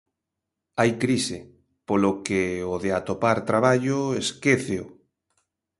Hai crise, polo que o de atopar traballo, esquéceo.